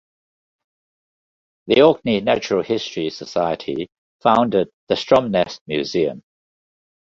The Orkney Natural History Society founded the Stromness Museum.